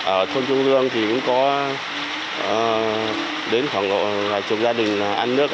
ở thôn trung lương thì cũng có đến khoảng là chồng gia đình ăn nước